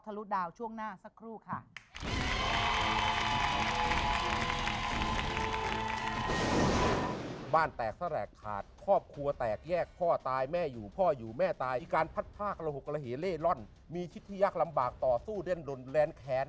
ลุดาวช่วงหน้าสักครู่ค่ะ